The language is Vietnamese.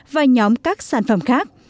và nhóm các sản phẩm khác